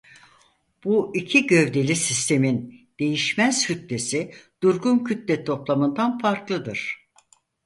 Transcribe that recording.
Bu iki gövdeli sistemin değişmez kütlesi durgun kütle toplamından farklıdır.